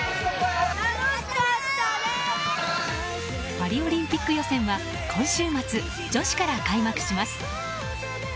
パリオリンピック予選は今週末、女子から開幕します。